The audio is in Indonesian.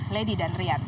lady dan rian